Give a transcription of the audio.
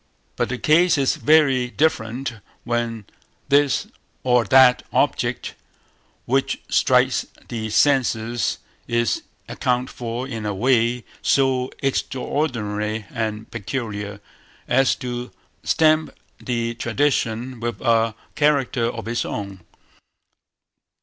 But the case is very different when this or that object which strikes the senses is accounted for in a way so extraordinary and peculiar, as to stamp the tradition with a character of its own.